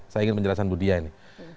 saya ingin penjelasan bu dia ini